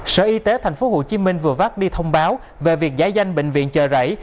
sở y tế tp hcm vừa vác đi thông báo về việc giải danh bệnh viện chợ rẫy